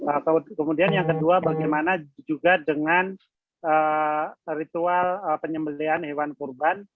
atau kemudian yang kedua bagaimana juga dengan ritual penyembelian hewan kurban